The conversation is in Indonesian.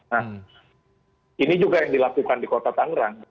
nah ini juga yang dilakukan di kota tangerang